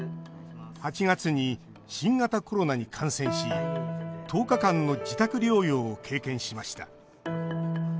８月に新型コロナに感染し１０日間の自宅療養を経験しました。